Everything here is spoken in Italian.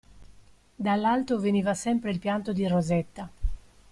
Dall'alto veniva sempre il pianto di Rosetta.